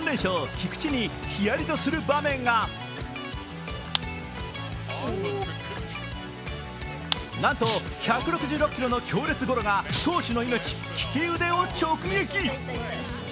・菊池にひやりとする場面がなんと１６６キロの強烈ゴロが投手の命・利き腕を直撃。